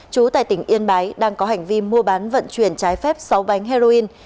chú tại tỉnh yên bái đang có hành vi mua bán vận chuyển trái phép sáu bánh heroin